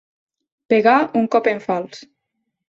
Pegar un cop en fals.